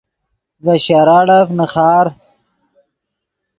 ڤے شراڑف نیخار